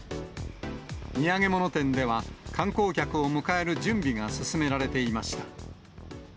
土産物店では、観光客を迎える準備が進められていました。